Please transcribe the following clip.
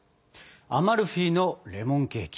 アマルフィのレモンケーキ。